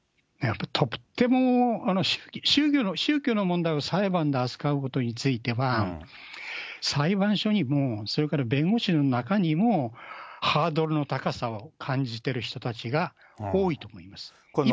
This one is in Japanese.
とっても、宗教の問題を裁判で扱うことについては、裁判所にも、それから弁護士の中にも、ハードルの高さを感じてる人たちが多いと思います。